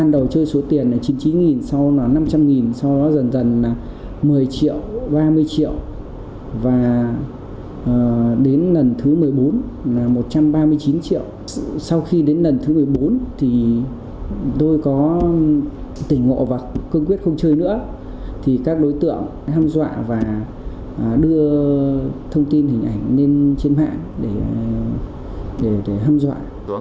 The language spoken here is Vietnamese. do tình ngộ và cương quyết không chơi nữa các đối tượng hâm dọa và đưa thông tin hình ảnh lên trên mạng để hâm dọa